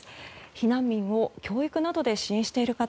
避難民を教育などで支援している方